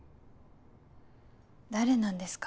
誰なんですか？